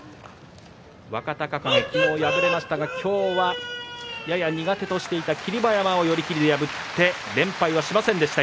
若隆景昨日敗れましたが今日はやや苦手としていた霧馬山を寄り切りで破って連敗はしませんでした。